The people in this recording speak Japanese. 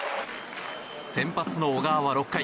先発の小川は６回。